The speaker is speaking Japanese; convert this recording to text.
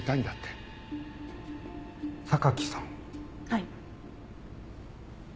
はい。